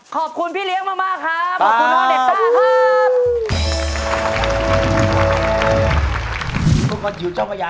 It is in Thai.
ขอบคุณพี่เลี้ยงมากครับขอบคุณน้องเดตต้าครับ